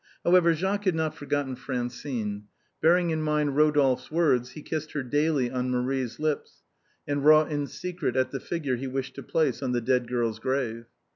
However, Jacques had not forgotten Francine; bearing in mind Eodolphe's words he kissed her daily on Marie's lips, and wrought in secret at the figure he wished to place on the dead girl's grave.